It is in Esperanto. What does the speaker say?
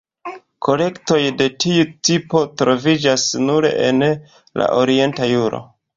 Kolektoj de tiu tipo troviĝas nur en la orienta juro.